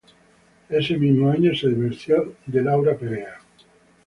Ese mismo año se divorció de Lauri Peters.